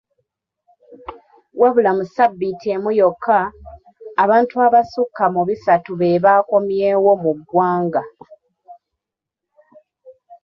Wabula mu sabbiiti emu yokka, abantu abasukka mu bisatu be baakomyewo mu ggwanga.